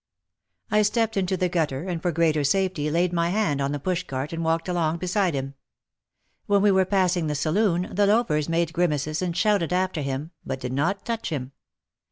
I stepped into the gutter, and for greater safety laid my hand on the push cart and walked along beside him. When we were passing the saloon the "loafers" made grimaces and shouted after him, but did not touch him.